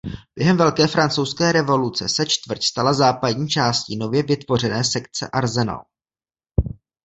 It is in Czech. Během Velké francouzské revoluce se čtvrť stala západní částí nově vytvořené sekce Arsenal.